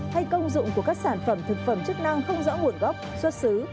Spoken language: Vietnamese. hay công dụng của các sản phẩm thực phẩm chức năng không rõ nguồn gốc xuất xứ